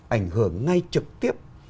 ảnh hưởng ngay trực tiếp